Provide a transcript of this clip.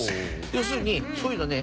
要するにそういうのをね